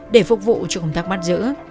để phục vụ cho công tác bắt giữ